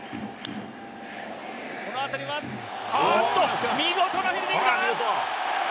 この当たりは、あっと、見事なフィールディングだ。